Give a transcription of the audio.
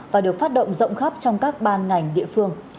và được phát động rộng khắp trong các ban ngành địa phương